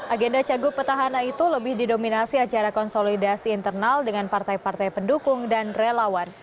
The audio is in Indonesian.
agenda cagup petahana itu lebih didominasi acara konsolidasi internal dengan partai partai pendukung dan relawan